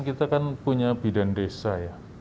kita kan punya bidan desa ya